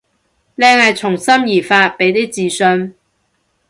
靚係從心而發，畀啲自信